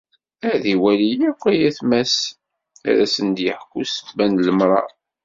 Ad iwali akk ayetma-s, ad asen-yeḥku ssebba n lemṛaṛ.